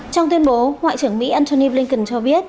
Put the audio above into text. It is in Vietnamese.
trong tuyên bố ngoại trưởng mỹ antony blinken cho biết